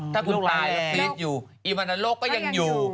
ถ้าคุณตายแล้วศิษย์อยู่อิมัณโลกก็ยังอยู่